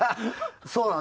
そうなの。